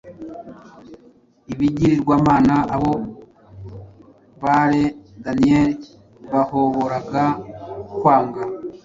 Ibigirwamana, abo baore Daniel bahoboraga kwanga